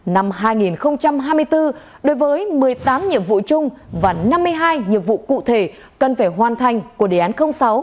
năm hai nghìn hai mươi bốn đối với một mươi tám nhiệm vụ chung và năm mươi hai nhiệm vụ cụ thể cần phải hoàn thành của đề án sáu